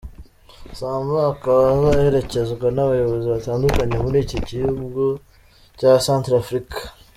Samba akaba azaherekezwa n’abayobozi batandukanye muri iki gihugu cya Cantrafrika.